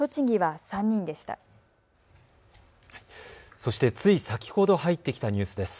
そして、つい先ほど入ってきたニュースです。